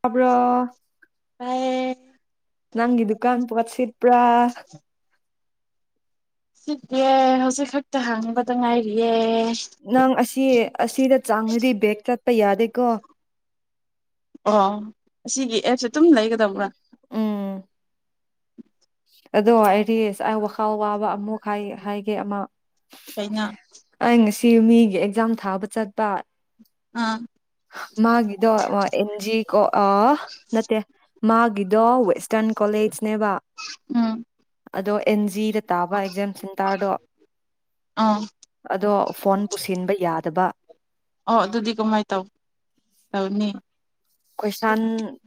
ꯇꯥꯕ꯭ꯔꯣ ꯇꯥꯏꯌꯦ ꯅꯪꯒꯤ ꯗꯨꯀꯥꯟ ꯄꯣꯠ ꯁꯤꯠꯄ꯭ꯔꯥ? ꯁꯤꯠꯇꯦ ꯍꯧꯖꯤꯛ ꯈꯛꯇ ꯍꯥꯡꯕꯗ ꯉꯥꯏꯔꯤꯌꯦ ꯅꯪ ꯑꯁꯤ ꯑꯁꯤꯗ ꯆꯪꯑꯗꯤ ꯕꯦꯒꯛꯇ ꯄ ꯌꯥꯗꯒꯣ ꯑꯣ ꯑꯁꯤꯒꯤ ꯑꯦꯞꯁꯦ ꯑꯗꯨꯝ ꯂꯩꯒꯗꯕ꯭ꯔꯥ? ꯎꯝ ꯑꯗꯣ ꯑꯩꯔꯤꯁ ꯑꯩ ꯋꯥꯈꯥꯎ ꯋꯥꯕ ꯑꯃꯨꯛ ꯍꯥꯏꯒꯦ ꯑꯃ ꯆꯩꯅꯥ ꯁꯤ ꯃꯤꯒꯤ ꯑꯦꯛꯖꯥꯝ ꯊꯥꯕ ꯆꯠꯄ ꯑꯥ ꯃꯥꯒꯤꯗꯣ ꯑꯦꯟꯖꯤ ꯀꯣ ꯑ ꯅꯠꯇꯦ ꯃꯥꯒꯤꯗꯤ ꯑꯗꯣ ꯋꯦꯁꯇꯔꯟ ꯀꯣꯂꯦꯖꯅꯦꯕ ꯎꯝ ꯑꯗꯣ ꯑꯦꯟ ꯖꯤꯗ ꯇꯥꯕ ꯑꯦꯛꯖꯥꯝ ꯁꯦꯟꯇꯔꯗꯣ ꯑꯥ ꯑꯗꯣ ꯐꯣꯟ ꯄꯨꯁꯤꯟꯕ ꯌꯥꯗꯕ ꯑꯣ ꯑꯗꯨꯗꯤ ꯀꯃꯥꯏꯅ ꯇꯧ ꯇꯧꯅꯤ ꯀ꯭ꯋꯦꯁꯟ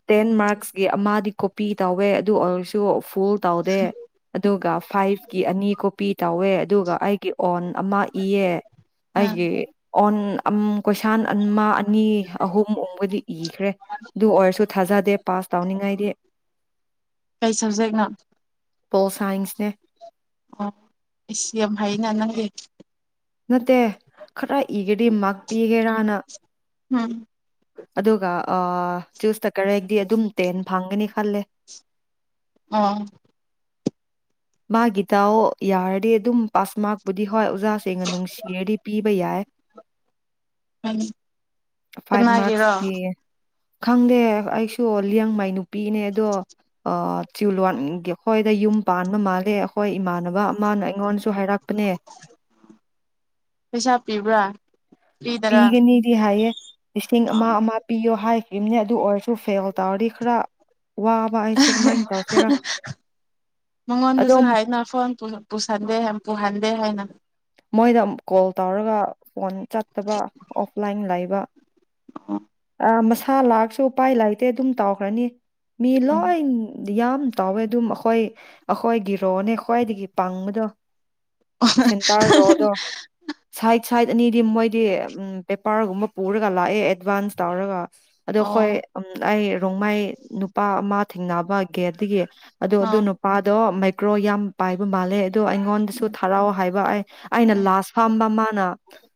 ꯇꯦꯟ ꯃ꯭ꯔꯥꯛ ꯀꯤ ꯑꯃꯗꯤ ꯀꯣꯄꯤ ꯇꯧꯋꯦ ꯑꯗꯨ ꯑꯣꯏꯔꯁꯨ ꯐꯨꯜ ꯇꯧꯗꯦ ꯑꯗꯨꯒ ꯐꯥꯏꯚ ꯀꯤ ꯑꯅꯤ ꯀꯣꯄꯤ ꯇꯧꯋꯦ ꯑꯗꯨꯒ ꯑꯩꯒꯤ ꯑꯣꯟ ꯑꯃ ꯏꯌꯦ ꯎꯝ ꯑꯩꯒꯤ ꯑꯣꯟ ꯀꯣꯏꯁꯟ ꯑꯃ ꯑꯅꯤ ꯑꯍꯨꯝ ꯑꯣꯡꯕꯗꯤ ꯏꯈ꯭ꯔꯦ ꯑꯗꯨ ꯑꯣꯏꯔꯁꯨ ꯊꯥꯖꯗꯦ ꯄꯥꯁ ꯇꯧꯅꯤꯡꯉꯥꯏꯗꯤ ꯀꯩ ꯁꯕꯖꯦꯛꯅꯣ ꯄꯣꯜ ꯁꯥꯏꯟꯁꯅꯦ ꯑꯣ ꯑꯩꯁ ꯌꯥꯝ ꯍꯥꯏꯅ ꯅꯪꯗꯤ ꯅꯠꯇꯦ ꯈꯔ ꯏꯒꯗꯤ ꯃ꯭ꯔꯥꯛ ꯄꯤꯒꯦꯔꯅ ꯎꯝ ꯑꯗꯨꯒ ꯆꯨꯁꯇ ꯀꯔꯦꯛꯗꯤ ꯑꯗꯨꯝ ꯇꯦꯟ ꯐꯪꯒꯅꯤ ꯈꯜꯂꯦ ꯑꯥ ꯃꯥꯒꯤ ꯇꯥꯎꯣ ꯌꯥꯔꯗꯤ ꯑꯗꯨꯝ ꯄꯥꯁ ꯃ꯭ꯔꯥꯛ ꯕꯨꯗꯤ ꯍꯣꯏ ꯑꯣꯖꯥꯁꯤꯡꯅ ꯅꯨꯡꯁꯤꯔꯗꯤ ꯄꯤꯕ ꯌꯥꯏ ꯎꯝ ꯐꯥꯏꯚ ꯆꯥꯝꯃꯒꯤꯔꯣ ꯃꯥꯔꯛꯁꯀꯤ ꯈꯪꯗꯦ ꯑꯩꯁꯨ ꯂꯤꯌꯥꯡ ꯃꯩ ꯅꯨꯄꯤꯅꯦ ꯑꯗꯣ ꯇꯤꯋꯥꯟꯒꯤ ꯍꯣꯏꯗ ꯌꯨꯝ ꯄꯥꯟ ꯅ ꯃꯥꯜꯂꯦ ꯑꯩꯈꯣꯏ ꯏꯃꯥꯟꯅꯕ ꯑꯃꯅ ꯑꯩꯉꯣꯟꯗꯁꯨ ꯍꯥꯏꯔꯛꯄꯅꯦ ꯄꯩꯁꯥ ꯄꯤꯕ꯭ꯔꯥ ꯐ꯭ꯔꯤꯗꯔꯥ ꯄꯤꯒꯅꯤꯗꯤ ꯍꯥꯏꯏꯌꯦ ꯂꯤꯁꯤꯡ ꯑꯥ ꯑꯃ ꯑꯃ ꯄꯤꯌꯣ ꯍꯥꯏ ꯏꯝꯅꯦ ꯑꯗꯨ ꯑꯣꯏꯔꯁꯨ ꯐꯦꯜ ꯇꯧꯔꯗꯤ ꯈꯔ ꯋꯥꯕ ꯑꯩꯁꯨ ꯀꯃꯥꯏꯅ ꯇꯧꯁꯤꯔꯥ ꯃꯉꯣꯟꯗꯁꯨ ꯑꯗꯨꯝ ꯍꯥꯏꯅ ꯐꯣꯟ ꯄꯨꯁꯟꯗꯦ ꯌꯥꯝ ꯄꯨꯍꯟꯗꯦ ꯍꯥꯏꯅ ꯃꯣꯏꯗ ꯃꯨꯛ ꯀꯣꯜ ꯇꯧꯔꯒ ꯐꯣꯟ ꯆꯠꯇꯕ ꯑꯣꯐꯂꯥꯏꯟ ꯂꯩꯕ ꯑ ꯃꯁꯥ ꯂꯥꯛꯁꯨ ꯎꯄꯥꯏ ꯂꯥꯏꯇꯦ ꯑꯗꯨꯝ ꯇꯥꯎꯈ꯭ꯔꯅꯤ ꯃꯤ ꯎꯝ ꯂꯣꯏ ꯌꯥꯝ ꯇꯥꯎꯋꯦ ꯑꯗꯨꯝ ꯑꯩꯈꯣꯏ ꯑꯩꯈꯣꯏꯒꯤꯔꯣꯅꯦ ꯈ꯭ꯋꯥꯏꯗꯒꯤ ꯄꯪꯕꯗꯣ ꯁꯦꯟꯇꯔ ꯔꯣꯗꯣ ꯁꯥꯏ ꯁꯥꯏꯠ ꯑꯅꯤꯗꯤ ꯃꯣꯏꯗꯤ ꯄꯦꯄꯔꯒꯨꯝꯕ ꯄꯨꯔꯒ ꯂꯥꯛꯑꯦ ꯑꯦꯗꯚꯥꯟꯁ ꯇꯧꯔꯒ ꯑꯗꯣ ꯑꯣ ꯑꯩꯈꯣꯏ ꯑꯩ ꯔꯣꯡꯃꯥꯏ ꯅꯨꯄꯥ ꯑꯃ ꯊꯦꯡꯅꯕ ꯑꯗꯨꯒꯤ ꯑꯗꯨ ꯑꯗꯨ ꯑꯥ ꯅꯨꯄꯥꯗꯣ ꯀ꯭ꯔꯣ ꯌꯥꯝ ꯄꯥꯏꯕ ꯃꯥꯜꯂꯦ ꯑ ꯑꯩꯉꯣꯟꯗꯁꯨ ꯎꯝ ꯊꯔꯥꯎ ꯍꯥꯏꯕ ꯑꯩꯅ ꯎꯝ ꯂꯥꯁ ꯐꯝꯕ ꯃꯥꯅ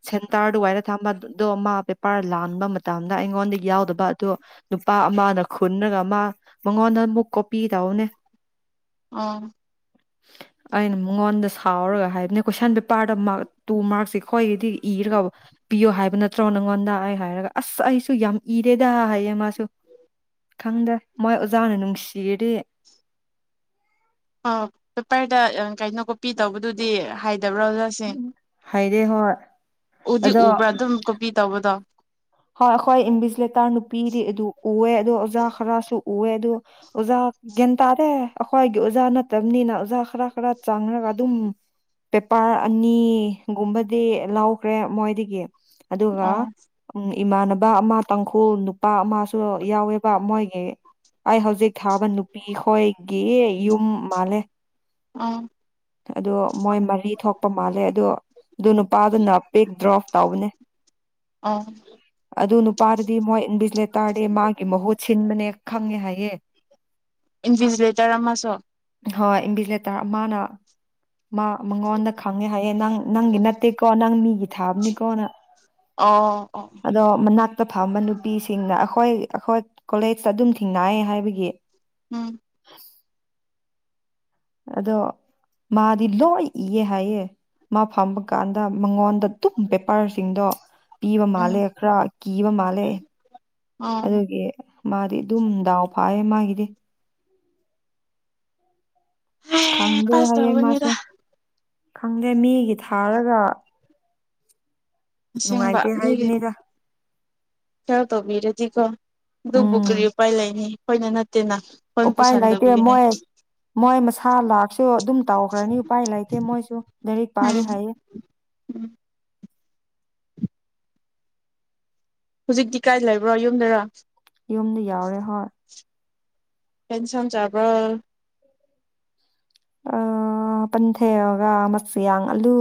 ꯁꯦꯟꯇꯔꯗ ꯋꯥꯏꯗ ꯊꯝꯕꯗꯣ ꯑꯃ ꯄꯦꯄꯥꯔ ꯂꯥꯟꯕ ꯃꯇꯝꯅ ꯑꯩꯉꯣꯟꯗ ꯌꯥꯎꯗꯕ ꯑꯗꯣ ꯅꯨꯄꯥ ꯑꯃꯅ ꯈꯨꯟꯔꯒ ꯑꯃ ꯃꯉꯣꯟꯗ ꯑꯃꯨꯛ ꯀꯣꯄꯤ ꯇꯧꯕꯅꯦ ꯑꯥ ꯑꯩꯅ ꯃꯉꯣꯟꯗ ꯁꯥꯎꯔꯒ ꯍꯥꯏꯕꯅꯦ ꯀꯣꯏꯁꯟ ꯄꯦꯄꯥꯔꯗ ꯇꯨ ꯃꯥꯔꯛꯁꯦ ꯑꯩꯈꯣꯏꯒꯤꯗꯤ ꯏꯔꯒ ꯄꯤꯌꯣ ꯍꯥꯏꯕ ꯅꯠꯇ ꯆ꯭ꯔꯣꯟ ꯅꯉꯣꯟꯗꯑ ꯍꯥꯏꯔꯒ ꯑꯁ ꯑꯩꯁꯨ ꯌꯥꯝ ꯏꯔꯦꯗ ꯍꯥꯏꯌꯦ ꯃꯥꯁꯨ ꯈꯪꯗꯦ ꯃꯣꯏ ꯑꯣꯖꯥꯅ ꯅꯨꯡꯁꯤꯔꯗꯤ ꯑ ꯄꯦꯄꯔꯗ ꯀꯩꯅꯣ ꯀꯣꯄꯤꯤ ꯇꯧꯕꯗꯨꯗꯤ ꯍꯥꯏꯗꯤ ꯗꯦꯕꯔꯣꯖꯥ ꯁꯤꯁꯤꯡꯟ ꯍꯥꯏꯩꯔꯦ ꯍꯣꯏ ꯎꯗꯤ ꯑꯗꯣ ꯎꯕ꯭ꯔꯥ ꯑꯗꯨꯝ ꯀꯄꯤꯤ ꯇꯧꯕꯗꯣ ꯍꯣꯏ ꯑꯩꯈꯣꯏ ꯏꯝꯕꯤꯁꯂꯇꯥ ꯅꯨꯄꯤꯗꯤ ꯑꯗꯨ ꯎꯑꯦ ꯑꯗꯣ ꯑꯣꯖꯥ ꯈꯔꯁꯨ ꯎꯑꯦ ꯑꯗꯣ ꯑꯣꯖꯥ ꯒ꯭ꯌꯥꯟ ꯇꯥꯔꯦ ꯑꯩꯈꯣꯏꯒꯤ ꯑꯣꯖꯥ ꯅꯠꯇꯕꯅꯤꯅ ꯑꯣꯖꯥ ꯈꯔ ꯈꯔ ꯆꯪꯔꯒ ꯑꯗꯨꯝ ꯄꯦꯄꯔ ꯑꯅꯤꯒꯨꯝꯕꯗꯤ ꯂꯧꯈ꯭ꯔꯦ ꯃꯣꯏꯗꯒꯤ ꯑꯗꯨꯒ ꯑꯣ ꯏꯃꯥꯟꯅꯕ ꯑꯃ ꯇꯥꯡꯈꯨꯜ ꯅꯨꯄꯥ ꯑꯃꯁꯨ ꯌꯥꯎꯋꯦꯕ ꯃꯣꯏꯒꯤ ꯑꯩ ꯍꯧꯖꯤꯛ ꯊꯥꯕ ꯅꯨꯄꯤꯈꯣꯏꯒꯤ ꯌꯨꯝ ꯃꯥꯜꯂꯦ ꯑꯣ ꯑꯣ ꯃꯣꯏ ꯃꯔꯤ ꯊꯣꯛꯄ ꯃꯥꯜꯂꯦ ꯑꯗꯣ ꯑꯗꯨ ꯅꯨꯄꯥꯗꯨꯅ ꯄꯦꯛ ꯗ꯭ꯔꯣꯞ ꯇꯕꯅꯦ ꯑꯣ ꯑꯗꯨ ꯅꯨꯄꯥꯗꯗꯤ ꯃꯣꯏ ꯏꯕꯤꯁꯂꯦꯠ ꯇꯥꯔꯦ ꯃꯥꯒꯤ ꯃꯍꯨꯠ ꯁꯤꯟꯕꯅꯦ ꯈꯪꯉꯦ ꯍꯥꯏꯌꯦꯦ ꯏꯟꯚꯤꯖꯤꯂꯦꯇꯔ ꯑꯃꯁꯨ ꯍꯣꯏ ꯏꯟꯕꯤꯂꯦꯇꯔ ꯑꯃꯅ ꯃꯥ ꯃꯉꯣꯟꯗ ꯈꯪꯉꯦ ꯍꯥꯏꯌꯦ ꯅꯪ ꯅꯪꯒꯤ ꯅꯠꯇꯦꯀꯣ ꯅꯪ ꯃꯤꯒꯤ ꯊꯥꯕꯅꯤꯀꯣꯅ ꯑꯣ ꯑꯣ ꯑꯗꯣ ꯃꯅꯥꯛꯇ ꯐꯝꯕ ꯅꯨꯄꯤꯁꯤꯡꯅ ꯑꯩꯈꯣꯏ ꯑꯩꯈꯣꯏ ꯀꯣꯂꯦꯖꯇ ꯑꯗꯨꯝ ꯊꯦꯡꯅꯏ ꯍꯥꯏꯕꯒꯤ ꯎꯝ ꯑꯗꯣ ꯃꯥꯗꯤ ꯂꯣꯏ ꯏꯌꯦ ꯍꯥꯏꯌꯦ ꯃꯥ ꯐꯝꯕ ꯀꯥꯟꯗ ꯃꯉꯣꯟꯗ ꯑꯗꯨꯨꯝ ꯄꯦꯄꯥꯔꯁꯤꯡꯗꯣ ꯄꯤꯕ ꯎꯝ ꯃꯥꯜꯂꯦ ꯈꯔ ꯀꯤꯕ ꯃꯥꯜꯂꯦ ꯑꯣ ꯑꯗꯨꯗꯒꯤ ꯃꯥꯗꯤ ꯑꯗꯨꯝ ꯗꯥꯎ ꯐꯌꯦ ꯃꯥꯒꯤꯗꯤ ꯈꯪꯗ ꯄꯥꯁ ꯍꯌꯦ ꯇꯧꯒꯅꯤꯗ ꯃꯥꯁ ꯈꯪꯗꯦ ꯃꯤꯒꯤ ꯊꯥꯔꯒ ꯑꯁꯦꯡꯕ ꯅꯨꯡꯉꯥꯏꯇꯦ ꯃꯤꯒꯤ ꯍꯥꯏꯕꯅꯤꯗ ꯀ ꯇꯧ ꯃꯤꯕꯤꯔꯖꯤ ꯀꯣ ꯑꯗꯨꯕꯨ ꯎꯝ ꯀꯔꯤ ꯎꯄꯥꯏ ꯂꯩꯅꯤ ꯑꯩꯈꯣꯏꯅ ꯅꯠꯇꯦꯅ ꯑꯩꯈꯣꯏꯅ ꯄꯨꯁꯟꯗꯕꯒꯤꯅꯦ ꯊꯥ ꯂꯥꯥꯛ ꯣ ꯑꯗꯨꯝ ꯇꯥꯎꯈ꯭ꯔꯅꯤ ꯎꯄꯥꯏ ꯂꯩꯇꯦ ꯃꯣꯏꯁꯨ ꯂꯥꯏꯔꯤꯛ ꯄꯥꯔ ꯎꯝ ꯍꯥꯏꯌꯦ ꯎꯝ ꯍꯧꯖꯤꯛꯇꯤ ꯀꯥꯏ ꯂꯩꯕ꯭ꯔꯣ ꯌꯨꯝꯗꯔ ꯌꯨꯝꯗ ꯌꯥꯎꯔꯦ ꯍꯣꯏ ꯍꯦꯟꯁꯟ ꯆꯥꯔꯕ꯭ꯔ ꯑ ꯄꯟꯊꯦꯛꯔꯒ ꯃꯆꯨꯌꯥꯡ ꯑꯂꯨ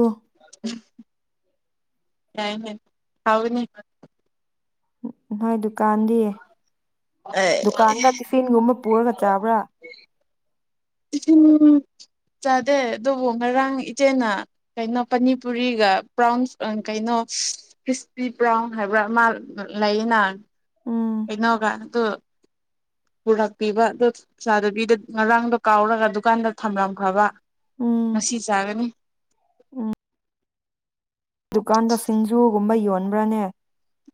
ꯌꯥꯅꯦ ꯊꯥꯎꯅꯤ ꯅꯣꯏ ꯗꯨꯀꯥꯟꯗꯤ ꯑ ꯗꯨꯀꯥꯟꯗ ꯇꯤꯐꯤꯟꯒꯨꯝꯕ ꯄꯨꯔꯒ ꯆꯥꯕ꯭ꯔꯥ ꯏꯆꯤꯟ ꯆꯥꯗꯦ ꯑꯗꯨꯕꯨ ꯉꯔꯥꯡ ꯏꯆꯦꯅ ꯀꯩꯅꯣ ꯄꯅꯤꯄꯨꯔꯤꯒ ꯕ꯭ꯔꯥꯎꯟ ꯀꯩꯅꯣ ꯈ꯭ꯔꯤꯁꯄꯤ ꯕ꯭ꯔꯥꯎꯟ ꯍꯥꯏꯕ꯭ꯔꯥ ꯑꯃ ꯂꯩꯌꯦꯅ ꯎꯝ ꯏꯩꯅꯒ ꯑꯗꯨ ꯄꯨꯔꯛꯄꯤꯕ ꯑ ꯆꯥꯗꯕꯤꯗ ꯉꯔꯥꯡꯗꯣ ꯀꯥꯎꯔꯒ ꯗꯨꯀꯥꯟꯗ ꯊꯝꯂꯝꯈ꯭ꯔꯕ ꯎꯝ ꯉꯁꯤ ꯆꯥꯒꯅꯤ ꯎꯝ ꯗꯨꯀꯥꯟꯗ ꯁꯤꯡꯖꯨꯒꯨꯝꯕ ꯌꯣꯟꯕ꯭ꯔꯥꯅꯦ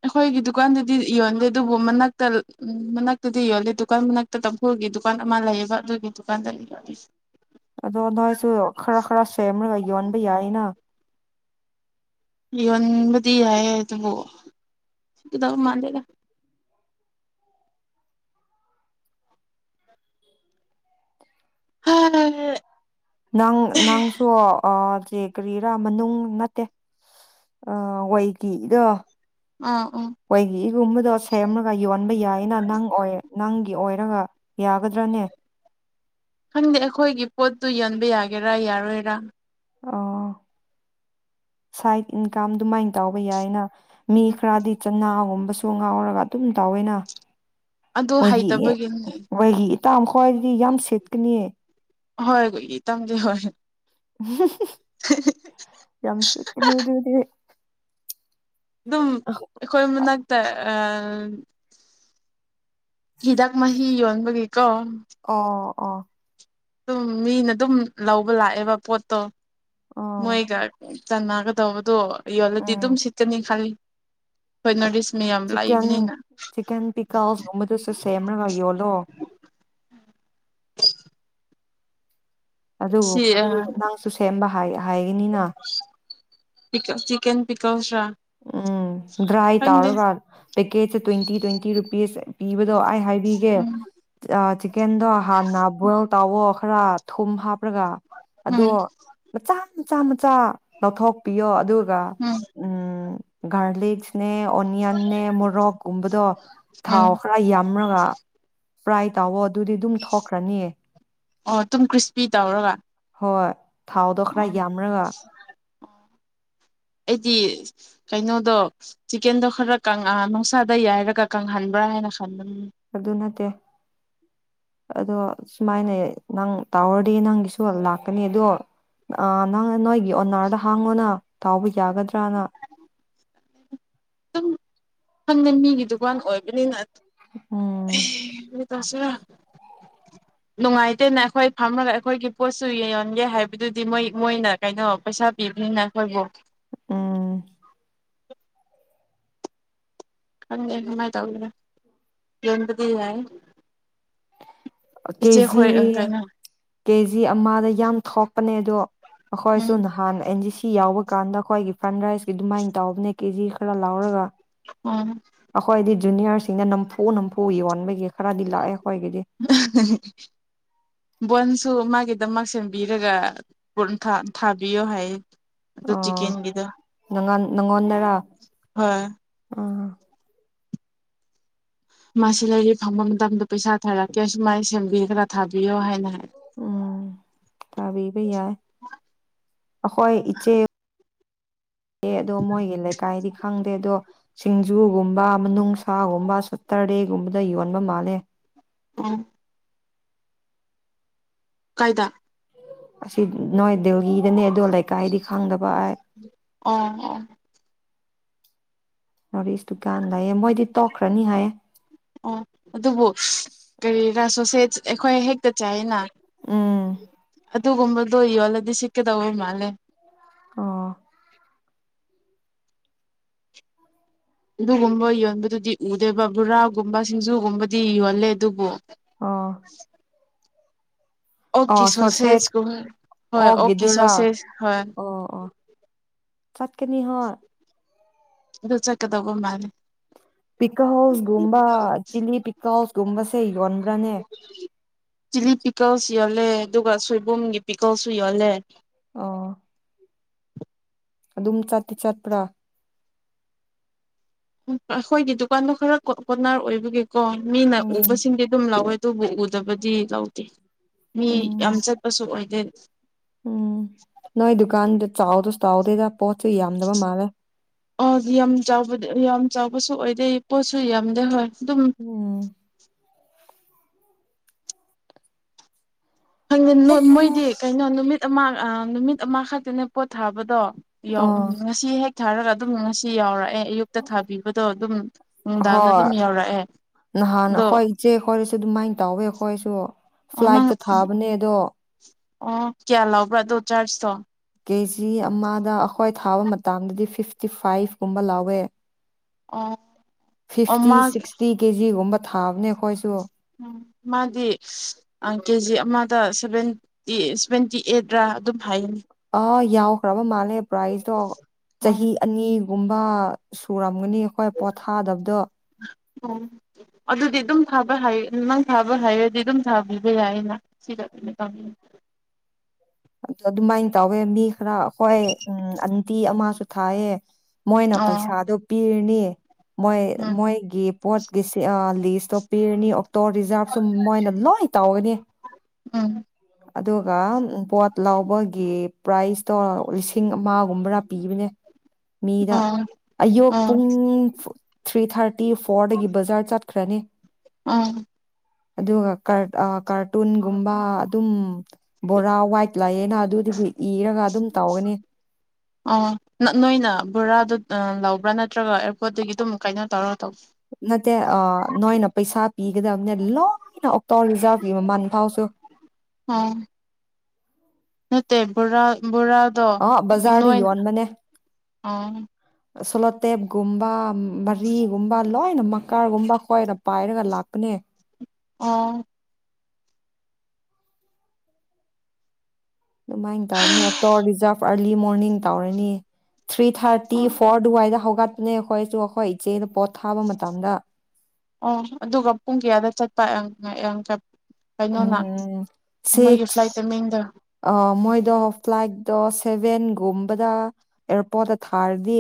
ꯑꯩꯈꯣꯏꯒꯤ ꯗꯨꯀꯥꯟꯗꯗꯤ ꯌꯣꯂꯦ ꯑꯗꯨꯕꯨ ꯃꯅꯥꯛꯇ ꯎ ꯃꯅꯥꯛꯇꯗꯤ ꯌꯣꯜꯂꯦ ꯗꯨꯀꯥꯟ ꯃꯅꯥꯛꯇ ꯇꯝꯐꯨꯜꯒꯤ ꯗꯨꯀꯥꯟ ꯑꯃ ꯂꯩꯌꯦꯕ ꯑꯗꯨꯒꯤ ꯗꯨꯀꯥꯟꯗ ꯌ ꯑꯗꯣ ꯅꯋꯥꯁꯨ ꯈꯔ ꯈꯔ ꯁꯦꯝꯃꯔꯒ ꯌꯣꯟꯕ ꯌꯥꯏꯅ ꯌꯣꯟꯕꯗꯤ ꯌꯥꯏ ꯑꯗꯨꯕꯨ ꯀꯗꯧ ꯃꯥꯟꯗꯦꯗ ꯍꯥ ꯅꯪ ꯅꯪꯁꯨ ꯑ ꯁꯦ ꯀꯔꯤꯔꯥ ꯃꯅꯨꯡ ꯅꯠꯇꯦ ꯑ ꯋꯥꯏꯒꯤꯗ ꯑꯥ ꯑꯥ ꯑꯩꯈꯣꯏꯒꯤ ꯏꯒꯨꯝꯕꯗꯣ ꯁꯦꯝꯃꯒ ꯌꯣꯟꯕ ꯌꯥꯏꯅ ꯅꯪ ꯑꯣꯏ ꯅꯪꯒꯤ ꯑꯣꯏ ꯍꯥꯏꯔꯒ ꯌꯥꯒꯗ꯭ꯔꯥꯅꯦ ꯈꯪꯗꯦ ꯑꯩꯈꯣꯏꯒꯤ ꯄꯣꯠꯇꯨ ꯌꯣꯟꯕ ꯌꯥꯒꯦꯔꯥ ꯌꯥꯔꯣꯏꯔꯥ ꯑꯣ ꯁꯥꯏꯠ ꯏꯟꯀꯥꯝ ꯑꯗꯨꯃꯥꯏꯅ ꯇꯎꯕ ꯌꯥꯏꯅ ꯃꯤ ꯈꯔꯗꯤ ꯆꯅꯥꯒꯍꯨꯝ ꯀꯁꯨ ꯉꯥꯎꯔꯒ ꯑꯗꯨꯝ ꯇꯥꯎꯋꯏꯅ ꯑꯗꯨ ꯃꯣꯏꯒꯤ ꯍꯩꯇꯕꯒꯤꯅꯤ ꯃꯣꯏꯒꯤ ꯏꯇꯥ ꯈꯋꯥꯏꯗꯤ ꯌꯥꯝ ꯁꯦꯠꯀꯅꯤꯌꯦ ꯍꯣꯏ ꯑꯩꯣꯏꯒꯤ ꯇꯝꯒꯦ ꯍꯣꯏ [inaudible] ꯌꯥꯝꯁꯤꯅꯗꯤꯦ ꯑꯗꯨꯝ ꯑꯩꯈꯣꯏ ꯃꯅꯥꯛꯇ ꯑ ꯍꯤꯗꯥꯥꯛ ꯃꯥꯍꯤ ꯌꯧꯟꯕꯒ ꯀꯝ ꯑ ꯑꯗꯨꯝ ꯃꯤꯅ ꯑꯗꯨꯝ ꯂꯧꯕ ꯂꯥꯛꯑꯦꯕ ꯄꯣꯠꯇꯣ ꯑꯣ ꯃꯣꯏꯒꯥ ꯆꯟꯅꯒꯗꯧꯕꯗꯣ ꯌꯣꯜꯂꯗꯤ ꯑꯗꯨꯝ ꯎꯝ ꯁꯤꯠꯀꯅꯤ ꯈꯜꯂꯤ ꯄꯅꯣꯔꯤꯁ ꯆꯤꯛꯀꯟ ꯆꯤꯛꯀꯟ ꯄꯤꯛꯀꯥꯜꯁꯒꯨꯝꯕꯗꯨꯁꯨ ꯁꯦꯃ꯭ꯔꯒ ꯌꯣꯜꯂꯣ ꯑꯗꯨꯕꯨ ꯁꯤ ꯃꯗꯨ ꯅꯪꯁꯨ ꯁꯦꯝꯕ ꯍꯥꯏ ꯍꯥꯏꯒꯅꯤꯅ ꯄꯤ ꯀ ꯆꯤꯛꯀꯟ ꯄꯤꯀꯜꯁ꯭ꯔꯥ ꯎꯝ ꯗ꯭ꯔꯥꯏ ꯇꯧꯔꯒ ꯄꯦꯀꯦꯖ ꯇ꯭ꯋꯦꯟꯇꯤ ꯇ꯭ꯋꯦꯟꯇꯤ ꯔꯨꯄꯤꯁ ꯄꯤꯕ ꯗꯣ ꯑꯩ ꯍꯥꯏꯕꯤꯒꯦ ꯎꯝ ꯆꯤꯀꯦꯟꯗꯣ ꯍꯥꯟꯅ ꯕꯣꯏꯜ ꯇꯧꯋꯣ ꯈꯔ ꯊꯨꯝ ꯍꯥꯞ ꯍꯥꯞꯄ꯭ꯔꯒ ꯑꯗꯣ ꯎꯝ ꯃꯆꯥ ꯃꯆꯥ ꯃꯆꯥ ꯂꯧꯊꯣꯛꯄꯤꯌꯣ ꯑꯗꯨ ꯕꯥ ꯎꯝ ꯎꯝ ꯎꯝ ꯒꯥꯔꯂꯤꯛ ꯅꯦ ꯑꯣꯅꯤꯌꯟꯅꯦ ꯃꯣꯔꯣꯛꯀꯨꯝꯕꯗꯣ ꯊꯥꯎ ꯎꯝ ꯈꯔ ꯌꯥꯝꯔꯒ ꯐ꯭ꯔꯥꯏ ꯇꯥꯎꯋꯣ ꯑꯗꯨꯗꯤ ꯑꯗꯨꯝ ꯊꯣꯛꯈ꯭ꯔꯅꯤꯌꯦ ꯑꯣ ꯇꯨꯝ ꯀ꯭ꯔꯤꯁꯄꯤ ꯇꯧꯔꯒ ꯍꯣꯏ ꯊꯥꯎꯗꯣ ꯈꯔ ꯑꯣ ꯌꯥꯝꯔꯒ ꯑꯩꯗꯤ ꯀꯩꯅꯣꯗꯣ ꯆꯤꯀꯦꯟꯗꯣ ꯈꯔ ꯀꯪ ꯑ ꯅꯨꯡꯁꯥꯗ ꯌꯥꯏꯔꯒ ꯀꯪꯍꯟꯕ꯭ꯔꯥ ꯍꯥꯏꯅ ꯈꯟꯕꯅꯤ ꯑꯗꯨ ꯅꯠꯇꯦ ꯑꯗꯣ ꯁꯨꯃꯥꯏꯅꯑꯦ ꯅꯪ ꯇꯧꯔꯗꯤ ꯅꯪꯒꯤꯁꯨ ꯂꯥꯛꯀꯅꯤ ꯑꯗꯣ ꯑ ꯅꯪ ꯅꯣꯏꯒꯤ ꯑꯣꯅꯥꯔꯗ ꯍꯥꯡꯉꯣꯅ ꯇꯥꯎꯕꯒꯤ ꯌꯥꯒꯗ꯭ꯔꯅ ꯑꯗꯨꯝ ꯈꯪꯗꯦ ꯃꯤꯒꯤ ꯗꯨꯀꯥꯟ ꯑꯣꯏꯕꯅꯤꯅ ꯑꯦ ꯎꯝ ꯀꯔꯤ ꯇꯥꯁꯤꯔꯥ ꯅꯨꯡꯉꯥꯏꯇꯦꯅ ꯑꯩꯈꯣꯏ ꯐꯝꯃꯒ ꯑꯩꯈꯣꯏꯒꯤ ꯄꯣꯠꯁꯨ ꯌ ꯌꯣꯟꯒꯦ ꯍꯥꯏꯕꯗꯨꯗꯤ ꯃꯣꯏ ꯃꯣꯏꯅ ꯀꯩꯅꯣ ꯄꯩꯁꯥ ꯄꯤꯕꯅꯤꯅ ꯑꯩꯈꯣꯏꯕꯨ ꯎꯝ ꯈꯪꯗꯦ ꯀꯃꯥꯏ ꯇꯧꯒꯦꯔꯥ ꯌꯣꯟꯕꯗꯤ ꯌꯥꯏ ꯏꯆꯦ ꯀꯦꯖꯤ ꯈꯣꯏ ꯀꯩꯅꯣ ꯀꯦꯖꯤ ꯑꯃꯗ ꯌꯥꯝ ꯊꯣꯛꯄꯅꯦ ꯑꯗꯣ ꯑꯩꯈꯣꯏꯁꯨ ꯎꯝ ꯅꯍꯥꯟ ꯑꯦꯟꯖꯤ ꯁꯤ ꯁꯤ ꯌꯥꯎꯕ ꯀꯥꯟꯗ ꯑꯩꯈꯣꯏꯒꯤ ꯐ꯭ꯔꯟ ꯔꯥꯏꯁꯀꯤ ꯑꯗꯨꯃꯥꯏꯅ ꯇꯧꯕꯕꯅꯦ ꯀꯦꯖꯤ ꯈꯔ ꯂꯧꯔꯒ ꯑꯣ ꯖꯨꯨꯅꯤꯌꯔ ꯁꯤ ꯑꯩꯅ ꯅꯝꯐꯨ ꯅꯝꯐꯨ ꯌꯣꯟꯕꯒꯤ ꯈꯔꯗꯤ ꯂꯥꯛꯑꯦ ꯑꯩꯈꯣꯏꯒꯤꯗꯤ ꯕꯣꯟꯁꯨ ꯃꯥ ꯒꯤꯗꯃꯛ ꯁꯦꯝꯕꯤꯔꯒ ꯄꯨꯟ ꯊꯥ ꯊꯥꯕꯤꯌꯣ ꯍꯥꯏ ꯑꯣ ꯅꯪꯉꯥꯟ ꯅꯪꯉꯣꯟꯗꯔ ꯍꯣꯏ ꯑ ꯃꯥꯁꯤ ꯂꯩꯔꯤ ꯐꯪꯕ ꯃꯇꯝꯗ ꯄꯩꯁꯥ ꯊꯥꯔꯛꯀꯦ ꯁꯨꯃꯥꯏꯅ ꯁꯦꯝꯕꯤꯔꯒ ꯈꯔ ꯊꯥꯕꯤꯌꯣ ꯍꯥꯏꯅ ꯍꯥꯏ ꯎꯝ ꯊꯥꯕꯤꯕ ꯌꯥꯏ ꯑꯩꯈꯣꯏ ꯏꯆꯦ ꯑꯦ ꯑꯗꯣ ꯃꯣꯏꯒꯤ ꯂꯩꯀꯥꯏꯗꯤ ꯈꯪꯗꯦ ꯑꯗꯣ ꯁꯤꯡꯖꯨꯒꯨꯝꯕ ꯃꯅꯨꯡꯁꯥꯒꯨꯝꯕ ꯁꯠꯇꯔꯗꯦꯒꯨꯝꯕꯗ ꯌꯣꯟꯕ ꯃꯥꯜꯂꯦ ꯎꯝ ꯀꯥꯏꯗꯥ ꯑꯁꯤ ꯅꯣꯏꯗꯨꯒꯤꯗꯅ‌ꯦ ꯑꯗꯣ ꯂꯩꯀꯥꯏꯗꯤ ꯈꯪꯗꯕ ꯑ ꯑ ꯑ ꯅ‌ꯣꯔꯠ ꯏꯁꯗꯨꯀꯥꯟ ꯂꯩꯌꯦ ꯃꯣꯏꯗꯤ ꯇꯣꯛꯈ꯭ꯔꯅꯤ ꯍꯥꯏꯌꯦ ꯑꯣ ꯑꯗꯨꯕꯨ ꯀꯔꯤꯔꯥ ꯁꯣꯁꯦ ꯑꯩꯈꯣꯏ ꯍꯦꯛꯇ ꯆꯥꯏꯌ‌ꯦꯅ ꯎꯝ ꯑꯗꯨꯒꯨꯝꯕꯗꯣ ꯌꯣꯜꯂꯗꯤ ꯁꯤꯠꯀꯗꯧꯕ ꯃꯥꯜꯂꯦ ꯑꯣ ꯑꯗꯨꯒꯨꯝꯕ ꯌꯣꯟꯕꯗꯨꯗꯤ ꯎꯗꯦꯕ ꯕꯣꯔꯥꯒꯨꯝꯕ ꯁꯤꯡꯖꯨꯒꯨꯝꯕꯗꯤ ꯌꯣꯜꯂꯦ ꯑꯗꯨꯕꯨ ꯑꯥ ꯑꯣꯛꯀꯤ ꯁꯣꯔꯁꯦꯠ ꯁꯣꯁꯦꯁ ꯒꯨꯝ ꯍꯣꯏ ꯑꯣꯛꯀꯤ ꯑꯣꯒꯤꯗꯨꯔꯥ ꯁꯣꯁꯦꯁ ꯍꯣꯏ ꯑꯣ ꯑꯣ ꯆꯠꯀꯅꯤ ꯍ ꯑꯗꯨ ꯆꯠꯀꯇꯧꯕ ꯃꯥꯜꯂꯤ ꯄꯤꯀꯜꯁ ꯒꯨꯝꯕ ꯆꯤꯂꯤ ꯄꯤꯀꯜꯁ ꯒꯨꯝꯕꯁꯦ ꯌꯣꯟꯕ꯭ꯔꯥꯅꯦ ꯆꯤꯂꯤ ꯄꯤꯀꯜꯁꯨ ꯌꯣꯜꯂꯦ ꯑꯗꯨꯒ ꯁꯣꯏꯕꯨꯝꯒꯤ ꯄꯤꯀꯜꯁꯨ ꯌꯣꯜꯂꯦ ꯑꯣ ꯑꯗꯨꯝ ꯆꯠꯇꯤ ꯆꯠꯄ꯭ꯔꯥ ꯎ ꯑꯈ‌ꯣꯏꯒꯤ ꯗꯨꯀꯥꯟꯗ‌ꯣ ꯈꯔ ꯀ‌ꯣ ꯀ‌ꯣꯔꯅꯔ ꯑꯣꯏꯕꯒꯤ ꯀꯣ ꯃꯤꯅ ꯎꯝ ꯎꯕꯁꯤꯡꯗꯤ ꯑꯗꯨꯝ ꯂꯧꯋꯦ ꯑꯗꯨꯕꯨ ꯎꯗꯕꯗꯤ ꯂꯧꯗꯦ ꯃꯤ ꯌꯥꯝ ꯎꯝ ꯆꯠꯄꯁꯨ ꯑꯣꯏꯗꯦ ꯎꯝ ꯅꯣꯏ ꯗꯨꯀꯥꯟꯗ ꯆꯥꯎꯗꯨ ꯁꯇꯥꯎ ꯗꯦꯗꯥ ꯄꯣꯠꯁꯨ ꯌꯥꯝꯗꯕ ꯃꯥꯜꯂꯦ ꯑꯣ ꯌꯥꯝ ꯆꯥꯎꯕꯗꯤ ꯌꯥꯝ ꯆꯥꯎꯕꯁꯨ ꯑꯣꯏꯗꯦ ꯄꯣꯠꯁꯨ ꯌꯥꯝꯗꯦ ꯍꯣꯏ ꯑꯗꯨꯝ ꯎꯝ ꯈꯪꯗꯦ ꯃꯣꯏꯗꯤ ꯀꯩꯅꯣ ꯅꯨꯃꯤꯠ ꯑꯃ ꯅꯨꯃꯤꯠ ꯑꯃꯈꯛꯇꯅꯦ ꯄꯣꯠ ꯊꯥꯕꯗꯣ ꯌꯥꯎ ꯎꯝ ꯑꯣ ꯉꯁꯤ ꯍꯦꯛ ꯊꯥꯔꯒ ꯑꯗꯨꯝ ꯉꯁꯤ ꯌꯥꯎꯔꯛꯑꯦ ꯑꯌꯨꯛꯇ ꯊꯥꯕꯤꯕꯗꯣ ꯑꯗꯨꯝ ꯅꯨꯡꯗꯥꯡꯗ ꯍꯣꯏ ꯑꯗꯨꯝ ꯌꯧꯔꯛꯑꯦ ꯅꯍꯥꯟ ꯑꯗꯣ ꯍꯣꯏ ꯏꯆꯦ ꯈꯣꯏꯁꯨ ꯑꯗꯨꯃꯥꯏꯅ ꯇꯧꯋꯦ ꯑꯩꯈꯣꯏꯁꯨ ꯑꯣ ꯅꯪ ꯐ꯭ꯂꯥꯏꯠꯇ ꯊꯥꯕꯅꯦꯗꯣ ꯑꯣ ꯑꯣ ꯀꯌꯥ ꯂꯧꯕ꯭ꯔꯥ ꯑꯗꯨ ꯆꯥꯔꯖꯇꯣ ꯀꯦ ꯖꯤ ꯑꯃꯗ ꯑꯩꯈꯣꯏ ꯊꯥꯕ ꯃꯇꯝꯗꯗꯤ ꯐꯤꯐꯇꯤ ꯐꯥꯏꯚ ꯀꯨꯝꯕ ꯂꯥꯎꯋꯦ ꯑꯣ ꯑꯣ ꯐꯤꯐꯇꯤ ꯃꯥ ꯁꯤꯛꯁꯇꯤ ꯀꯦꯖꯤ ꯒꯨꯝꯕꯥ ꯊꯥꯕꯅꯤꯈꯣꯏꯁꯨ ꯎꯝ ꯃꯥꯗꯤ ꯀꯦꯖꯤ ꯑꯃꯗ ꯁꯚꯦꯟꯇꯤ ꯁꯚꯦꯟꯇꯤ ꯑꯦꯠ ꯔꯥ ꯑꯗꯨꯝ ꯍꯥꯏꯒꯅꯤ ꯑ ꯌꯥꯎꯈ꯭ꯔꯕ ꯃꯥꯂꯦ ꯄ꯭ꯔꯥꯖꯗꯣ ꯎꯝ ꯆꯍꯤ ꯑꯅꯤ ꯒꯨꯝꯕ ꯁꯨꯔꯝꯒꯅꯤ ꯑꯩꯈꯣꯏ ꯄꯣꯊꯥꯗꯕꯗꯣ ꯑꯣ ꯑꯗꯨꯗꯤ ꯑꯗꯨꯝ ꯊꯥꯕ ꯅꯪ ꯊꯥꯕ ꯍꯩꯔꯗꯤ ꯑꯗꯨꯝ ꯊꯥꯕꯤꯕ ꯌꯥꯏꯌꯦꯅ ꯁꯤꯗ ꯑꯗꯨ ꯇꯥꯃꯤ ꯑ ꯑꯗꯨ ꯃꯥꯏ ꯇꯧꯋꯦ ꯃꯤ ꯈꯔ ꯑꯩꯈꯣꯏ ꯎꯝ ꯑꯟꯇꯤ ꯑꯃꯁꯨ ꯊꯥꯌꯦ ꯃꯣꯏꯅ ꯑꯣ ꯄꯩꯁꯥꯗꯨ ꯄꯤꯔꯅꯤ ꯃꯣꯏ ꯎꯝ ꯃꯣꯏ ꯒꯤ ꯄꯣꯠꯀꯤꯁꯤ ꯂꯤꯁꯇꯣ ꯄꯤꯔꯅꯤ ꯇꯣ ꯔꯤꯖꯥꯔꯕꯁꯨ ꯃꯣꯏꯅ ꯂꯣꯏ ꯇꯧꯒꯅꯤ ꯎꯝ ꯑꯗꯨꯒ ꯕꯣꯠ ꯂꯥꯎꯕꯒꯤ ꯄ꯭ꯔꯥꯏꯖꯇꯣ ꯂꯤꯁꯤꯡ ꯑꯃꯒꯨꯝꯕꯔꯥ ꯄꯤꯕꯅꯦ ꯃꯤꯗ ꯑꯣ ꯑꯌꯨꯛ ꯑꯣ ꯄꯨꯡ ꯊ꯭ꯔꯤ ꯊꯥꯔ ꯇꯤ ꯐꯣꯔꯗꯒꯤ ꯕꯥꯖꯔ ꯆꯠ ꯇꯔꯥꯅꯤ ꯑꯝ ꯑꯗꯨꯒ ꯀ꯭ꯔꯠ ꯑ ꯀꯥꯔꯇꯨꯟꯒꯨꯝꯕ ꯑꯗꯨꯝ ꯕꯣꯔꯥ ꯋꯥꯏꯠ ꯄ꯭ꯂꯥꯌꯦꯠ ꯑꯝ ꯅꯠ ꯅꯣꯏꯅ ꯕꯣꯔꯥꯗꯣ ꯑ ꯂꯥꯎꯕ꯭ꯔꯥꯅꯠ ꯅꯠꯇ꯭ꯔꯒ ꯑꯦꯌꯥꯔꯄꯣꯔꯠꯇꯒꯤ ꯑꯗꯨꯝ ꯀꯥꯏꯅꯣ ꯇꯧꯔꯒ ꯇꯧ ꯄꯤꯒꯗꯝꯅꯦ ꯂꯣꯏꯅ ꯇꯣ ꯔꯤꯖꯥꯔꯕꯒꯤ ꯃꯃꯟ ꯐꯥꯎꯁꯨ ꯑꯣ ꯅꯠꯇꯦ ꯕꯣꯔꯥ ꯕꯣꯔꯥ ꯗꯣ ꯑ ꯕꯖꯥꯔꯗ ꯅꯣꯏꯟ ꯌꯣꯟꯕꯅꯦ ꯎꯝ ꯁꯣꯂꯣꯇꯦꯞꯒꯨꯝꯕ ꯃꯔꯤꯒꯨꯝꯕ ꯂꯣꯏꯅ ꯃꯀꯥꯔꯒꯨꯝꯕ ꯈ꯭ꯋꯥꯏꯔ ꯄꯥꯏꯔꯒ ꯂꯥꯛꯄꯅꯦ ꯑꯣ ꯑꯧꯃꯥꯏꯅ ꯇꯧꯕꯅꯦ ꯀꯣ ꯔꯤꯖꯥꯕ ꯑꯔꯝ ꯂꯤ ꯃꯣꯔꯅꯤꯡ ꯇꯧꯔꯅꯤ ꯊ꯭ꯔꯤ ꯊꯥꯔꯇꯤ ꯑꯣ ꯐꯣꯔ ꯗꯨꯋꯥꯏꯗ ꯍꯧ ꯀꯠꯅꯦ ꯈꯣꯏꯁꯨ ꯑꯈꯣꯏ ꯏꯆꯦꯗ ꯄꯣꯠ ꯊꯥꯕ ꯃꯇꯝꯗ ꯑꯪ ꯑꯗꯨꯒ ꯄꯨꯡ ꯀꯌꯥꯗ ꯆꯠꯄ ꯌꯥꯡ ꯌꯡ ꯀꯩꯅꯣꯅ ꯎꯝ ꯃꯣꯏꯒꯤ ꯐ꯭ꯂꯥꯏꯠꯇ ꯁꯤꯛꯁ ꯃꯦꯡꯗ ꯃꯣꯏꯗꯣ ꯐ꯭ꯂꯥꯏꯠꯗꯣ ꯁꯦꯚꯦꯟꯒꯨꯝꯕꯗ ꯑꯦꯌꯥꯔꯄꯣꯔꯠꯇ ꯊꯥꯔꯗꯤ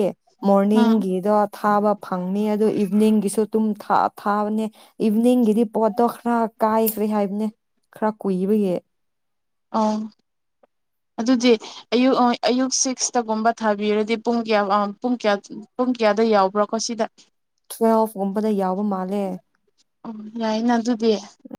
ꯑꯥ ꯃꯣꯔꯅꯤꯡꯒꯤꯗꯣ ꯊꯥꯕ ꯐꯪꯅꯤ ꯑꯗꯨ ꯏꯚꯤꯅꯤꯡꯒꯤꯁꯨ ꯑꯗꯨꯝ ꯊꯥ ꯊꯥꯕꯅꯦ ꯏꯚꯤꯅꯤꯡꯒꯤꯗꯤ ꯄꯣꯠꯇꯣ ꯈꯔ ꯀꯥꯏꯈ꯭ꯔꯦ ꯍꯥꯏꯕꯅꯦ ꯈꯔ ꯀꯨꯏꯕꯒꯤ ꯑ ꯑꯗꯨꯗꯤ ꯑꯌꯨꯛ ꯑ ꯑꯌꯨꯛ ꯁꯤꯛꯁꯇꯒꯨꯝꯕ ꯊꯥꯕꯤꯔꯗꯤ ꯄꯨꯡ ꯀꯌꯥ ꯑ ꯄꯨꯡ ꯀꯌꯥ ꯄꯨꯡ ꯀꯌꯥꯗ ꯌꯥꯎꯕ꯭ꯔꯥꯀꯣ ꯁꯤꯗ ꯇꯨꯋꯦꯜꯐꯒꯨꯝꯕꯗ ꯌꯥꯎꯕ ꯃꯥꯜꯂꯦ ꯑꯣ ꯌꯥꯏꯅ ꯑꯗꯨꯗꯤ